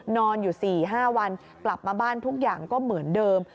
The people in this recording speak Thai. นอนอยู่๔๕วันกลับมาบ้านทุกอย่างก็เหมือนเดิม